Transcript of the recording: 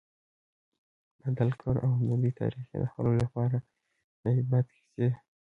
بدل کړ، او د دوی تاريخ ئي د خلکو لپاره د عبرت قيصي